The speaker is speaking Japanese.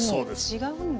違うんだ。